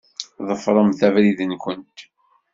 Ḍefṛemt abrid-nkent.